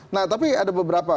nah tapi ada beberapa